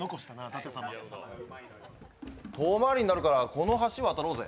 遠回りになるからこの橋、渡ろうぜ。